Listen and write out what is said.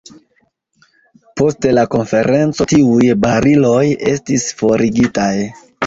Post la konferenco tiuj bariloj estis forigitaj.